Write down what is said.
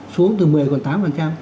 xuống từ một mươi còn tám